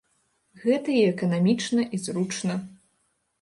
Гэта і эканамічна, і зручна.